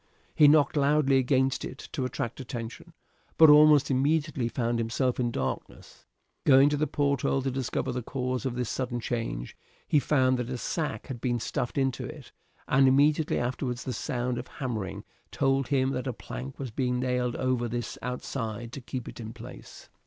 He knocked loudly against it to attract attention, but almost immediately found himself in darkness. Going to the porthole to discover the cause of this sudden change, he found that a sack had been stuffed into it, and immediately afterwards the sound of hammering told him that a plank was being nailed over this outside to keep it in its place.